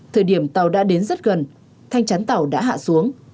thời điểm tàu đã đến rất gần thanh chắn tàu đã hạ xuống